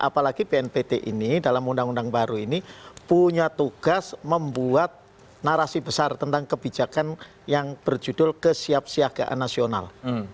apalagi bnpt ini dalam undang undang baru ini punya tugas membuat narasi besar tentang kebijakan yang berjudul kesiapsiagaan nasional